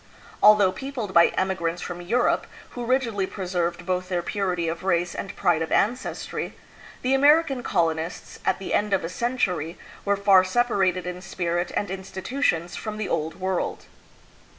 Although peopled by emigrants from Europe, who rigidly preserved both their purity of race and pride of ancestry, the Amer ican colonists, at the end of a century, were far separated in spirit and institutions from the Old World.